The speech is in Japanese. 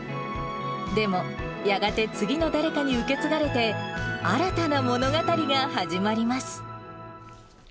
でも、やがて次の誰かに受け継がれて、新たな物語が始まります。